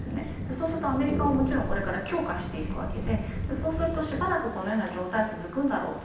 そうすると、アメリカももちろん強化するわけでそうすると、しばらくこのような状況続くだろうと。